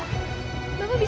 hai pad phones